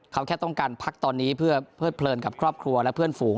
เขาแค่ต้องการพักตอนนี้เพื่อเพิดเพลินกับครอบครัวและเพื่อนฝูง